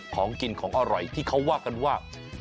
ของกินของอร่อยที่เขาว่ากันว่า